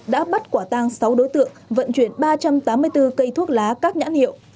đã bắt quả tang sáu đối tượng vận chuyển ba trăm tám mươi bốn cây thuốc lá các nhãn hiệu